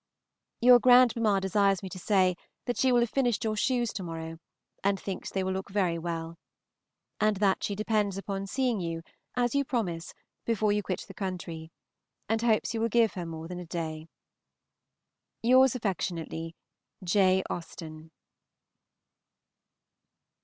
Your grandmamma desires me to say that she will have finished your shoes to morrow, and thinks they will look very well. And that she depends upon seeing you, as you promise, before you quit the country, and hopes you will give her more than a day. Yours affectionately. J. AUSTEN.